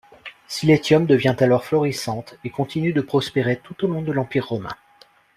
Scylletium devient alors florissante, et continue de prospérer tout au long de l’Empire romain.